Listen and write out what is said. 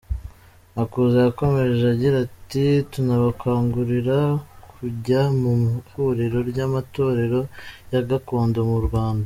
Makuza yakomeje agira ati “tunabakangurira kujya mu ihuriro ry’amatorero ya gakondo mu Rwanda “.